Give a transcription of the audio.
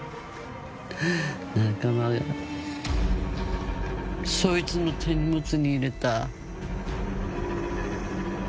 仲間がそいつの手荷物に入れた。